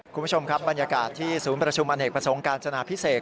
คุณผู้ชมครับบรรยากาศที่ศูนย์ประชุมอเนกประสงค์การจนาพิเศษ